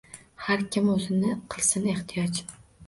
Har kimsa o’zini qilsin ehtiyot: